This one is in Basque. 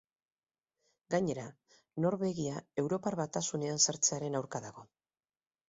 Gainera, Norvegia Europar Batasunean sartzearen aurka dago.